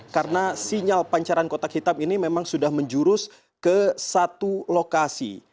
karena sinyal pancaran kotak hitam ini memang sudah menjurus ke satu lokasi